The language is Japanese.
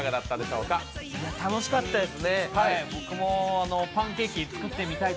楽しかったです。